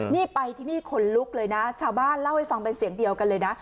นี่ไปที่นี่ขนลุกเลยนะชาวบ้านเล่าให้ฟังเป็นเสียงเดียวกันเลยนะ